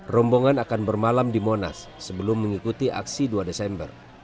rombongan akan bermalam di monas sebelum mengikuti aksi dua desember